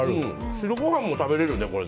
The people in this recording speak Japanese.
白ご飯も食べれるね、これ。